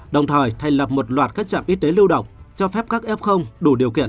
đồng thời thành lập một loạt các trạm y tế lưu động cho phép các f đủ điều kiện